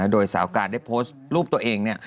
โดยสาวการได้โพสต์รูปตัวเอง